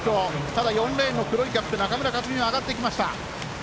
ただ４レーンの黒いキャップ、中村克が上がってきました。